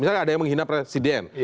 misalnya ada yang menghina presiden